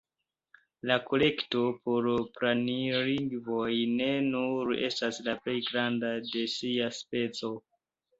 La Kolekto por Planlingvoj ne nur estas la plej granda de sia speco.